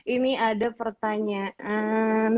ini ada pertanyaan